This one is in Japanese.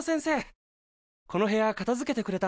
この部屋かたづけてくれたんですね。